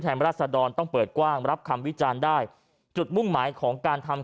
รัศดรต้องเปิดกว้างรับคำวิจารณ์ได้จุดมุ่งหมายของการทำ